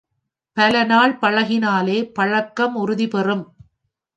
பலநாள் பழகினாலே, பழக்கம் உறுதி பெறும்.